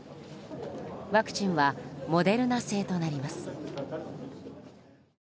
ワクチンはモデルナ製となります。